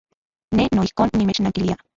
Ne noijkon nimechnankilia.